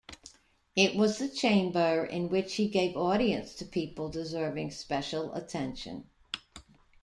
It was the chamber in which he gave audience to people deserving special attention.